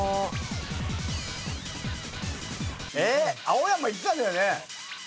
青山行ってたんだよね